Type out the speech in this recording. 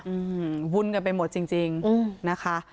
อืมวุ่นกันไปหมดจริงนะคะ